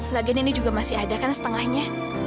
lagi ini juga masih ada kan setengahnya